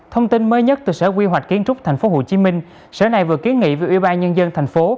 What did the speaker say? thông tin mới nhất từ sở quy hoạch kiến trúc tp hcm sở này vừa kiến nghị với ubnd tp hcm